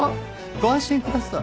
ご安心ください。